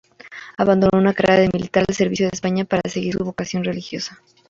Abandonó una carrera de militar al servicio de España para seguir su vocación religiosa.